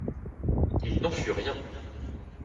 Il n'en fut rien.